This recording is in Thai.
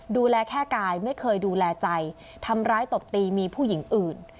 ดูแลแค่กายไม่เคยดูแลใจทำร้ายตบตีมีผู้หญิงอื่น